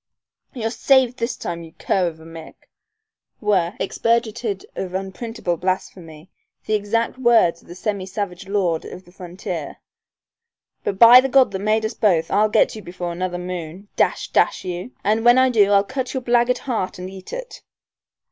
"You're saved this time, you cur of a Mick," were, expurgated of unprintable blasphemy, the exact words of the semi savage lord of the frontier, "but by the God that made us both I'll get you before another moon, dash dash you, and when I do I'll cut out your blackguard heart and eat it."